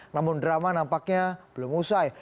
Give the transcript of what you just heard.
namun drama nampaknya belum usai